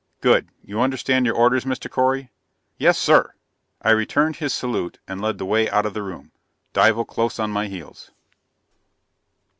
"Good. You understand your orders, Mr. Correy?" "Yes, sir!" I returned his salute, and led the way out of the room, Dival close on my heels.